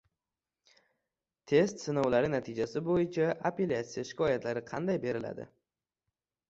Test sinovlari natijasi bo‘yicha apellatsiya shikoyatlari qanday beriladi?